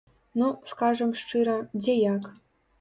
Ну, скажам шчыра, дзе як.